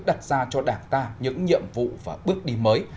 đặt ra cho đảng ta những nhiệm vụ và bước đi mới